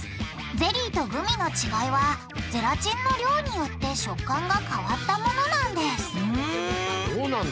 ゼリーとグミの違いはゼラチンの量によって食感が変わったものなんですふん。